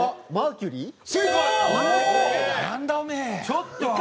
ちょっと！